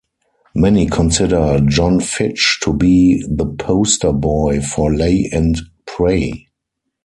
Many consider Jon Fitch to be the poster boy for lay and pray.